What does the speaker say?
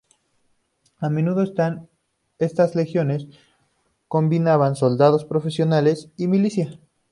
A menudo estas legiones combinaban soldados profesionales y milicia.